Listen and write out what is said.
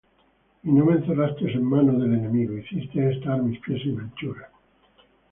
Y no me encerraste en mano del enemigo; Hiciste estar mis pies en anchura.